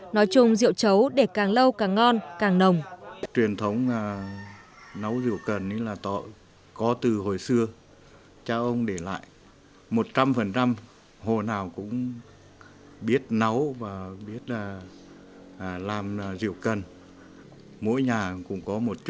nói chung rượu chấu để càng lâu càng ngon càng nồng